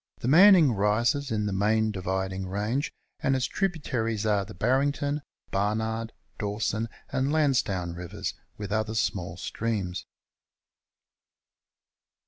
The Manning rises in the Main Dividing Range, and its tributaries are the Barrington, Barnard, Dawson, and Lansdown Rivers, with other small streams.